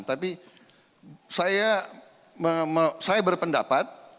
tapi saya berpendapat